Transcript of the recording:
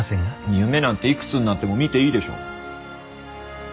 夢なんていくつになっても見ていいでしょ。